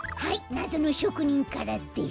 なぞのしょくにんからです。